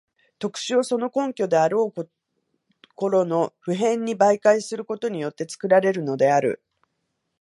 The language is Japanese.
特殊をその根拠であるところの普遍に媒介することによって作られるのである。